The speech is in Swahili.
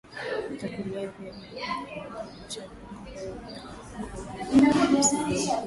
za kulevya ili kujaribu kurejesha viwango vyao vya homoni za kuhisi vyema